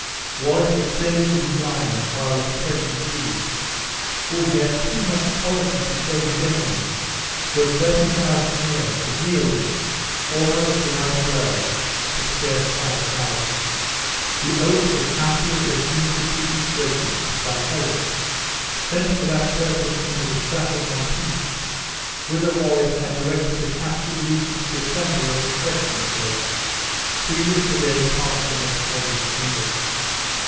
Wallace extended his line while the procession moved, for he had too much policy to show his enemies that thirty thousand men had yielded, almost without a blow, to scarce five thousand. The oath was afterward administered to each regiment by heralds, sent for that purpose into the strath of Monteith, whither Wallace had directed the captured legions to assemble and refresh themselves, previous to their departure next morning for England.